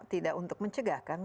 tidak untuk mencegah kan